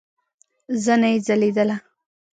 زنه يې ځليدله.